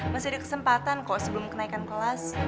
masih ada kesempatan kok sebelum kenaikan kelas